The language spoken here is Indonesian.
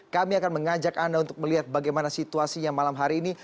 kami akan mengajak anda untuk melihat bagaimana situasinya malam hari ini